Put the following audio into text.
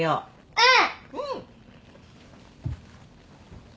うん。